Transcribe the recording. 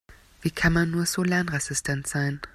Wie kann man nur so lernresistent sein?